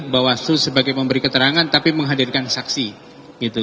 bawaslu sebagai memberi keterangan tapi menghadirkan saksi